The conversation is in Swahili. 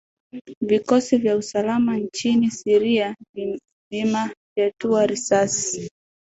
vikosi vya usalama nchini siria vimavyatua risasi